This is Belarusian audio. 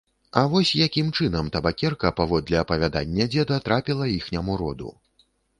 А вось якім чынам табакерка, паводле апавядання дзеда, трапіла іхняму роду.